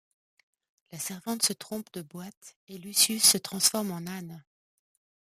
La servante se trompe de boîte et Lucius se transforme en âne.